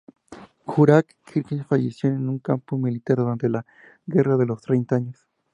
Juraj Zrinski falleció en un campo militar durante la Guerra de los Treinta Años.